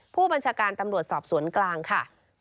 ผู้บัญชาการตำรวจสอบสวนกลางค่ะ